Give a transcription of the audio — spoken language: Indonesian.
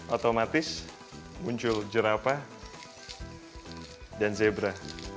otomatis muncul jerapa dan zebra